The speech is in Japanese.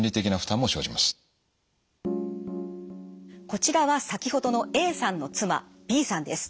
こちらは先ほどのＡさんの妻Ｂさんです。